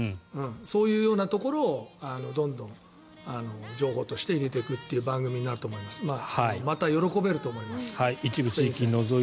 そういうようなところをどんどん情報として入れていくという一歩歩けばひとつの出会いがある